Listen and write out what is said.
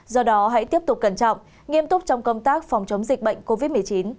do đó hãy tiếp tục cẩn trọng nghiêm túc trong công tác phòng chống dịch bệnh covid một mươi chín